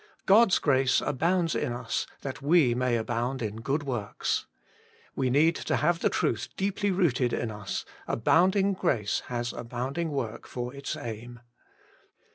God's grace abounds in us that we may abound in good works. We need to have the truth deeply rooted in us: Abounding grace has abounding zvork for its aim.